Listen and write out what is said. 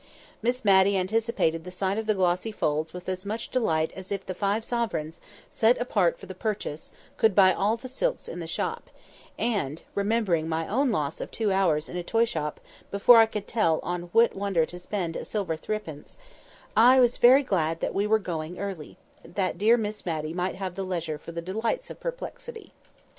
Miss Matty anticipated the sight of the glossy folds with as much delight as if the five sovereigns, set apart for the purchase, could buy all the silks in the shop; and (remembering my own loss of two hours in a toyshop before I could tell on what wonder to spend a silver threepence) I was very glad that we were going early, that dear Miss Matty might have leisure for the delights of perplexity.